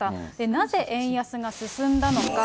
なぜ円安が進んだのか。